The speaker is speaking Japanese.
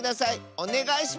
おねがいします！